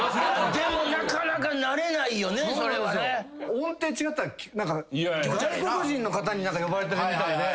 音程違ったら外国人の方に呼ばれてるみたいで。